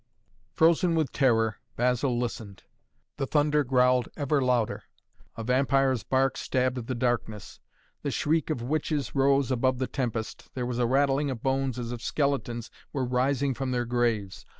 Frozen with terror Basil listened. The thunder growled ever louder. A vampire's bark stabbed the darkness; the shriek of witches rose above the tempest, there was a rattling of bones as if skeletons were rising from their graves.